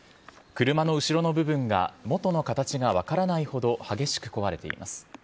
車の後ろの部分が元の形が分からないほど激しく壊れています。